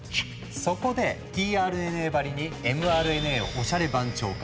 そこでｔＲＮＡばりにｍＲＮＡをおしゃれ番長化。